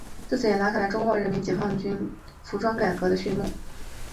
自此也拉开了中国人民解放军全军服装改革的序幕。